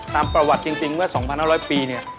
ตามประวัติจริงเมื่อ๒๕๐๐ปีเนี่ย